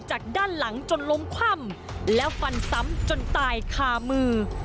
จากด้านหลังจนล้มคว่ำแล้วฟันซ้ำจนตายคามือ